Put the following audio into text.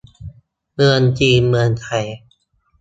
เมืองจีน เมืองไทย